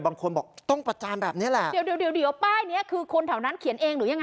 บางคนบอกต้องประจานแบบนี้แหละเดี๋ยวเดี๋ยวป้ายเนี้ยคือคนแถวนั้นเขียนเองหรือยังไง